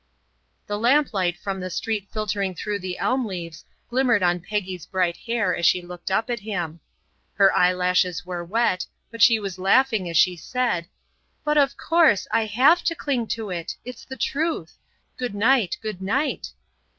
The lamplight from the street filtering through the elm leaves glimmered on Peggy's bright hair as she looked up at him. Her eyelashes were wet, but she was laughing as she said: "But, of course, I HAVE to cling to it. It's the truth. Good night! Good night!"